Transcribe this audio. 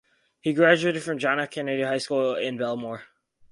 He graduated from John F. Kennedy High School in Bellmore.